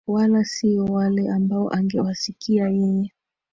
wala sio na wale ambao angewasikia yeye